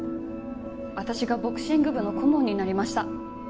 私がボクシング部の顧問になりました。